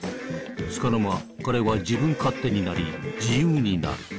つかの間彼は自分勝手になり自由になる。